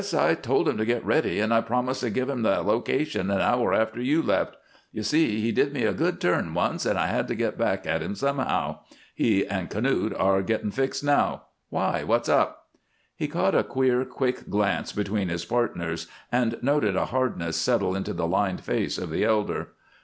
I told him to get ready, and I promised to give him the location an hour after you left. You see, he did me a good turn once and I had to get back at him somehow. He and Knute are getting fixed now. Why, what's up?" He caught a queer, quick glance between his partners and noted a hardness settle into the lined face of the elder.